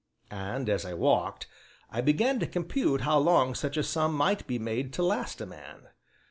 And, as I walked, I began to compute how long such a sum might be made to last a man.